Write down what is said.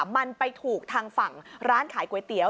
มันไปถูกทางฝั่งร้านขายก๋วยเตี๋ย